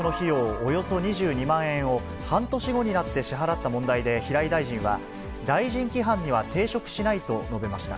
およそ２２万円を、半年後になって支払った問題で、平井大臣は、大臣規範には抵触しないと述べました。